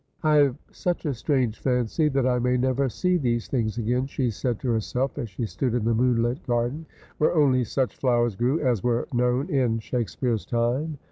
' I have such a strange fancy that I may never see these things again,' she said to herself as she stood in the moonlit garden, where only such flowers grew as were known in Shake speare's time.